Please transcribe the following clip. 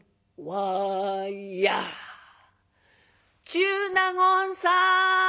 「中納言さん！